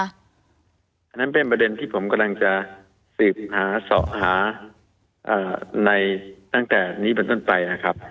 อันนั้นเป็นประเด็นที่ผมกำลังจะสืบหาเสาะหาในตั้งแต่นี้เป็นต้นไปนะครับ